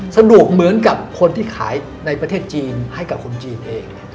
เหมือนกับคนที่ขายในประเทศจีนให้กับคนจีนเอง